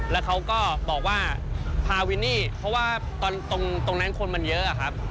แล้วเขาก็บอกว่าพาวินนี่เพราะว่าตรงนั้นคนมันเยอะอะครับ